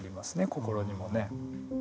心にもね。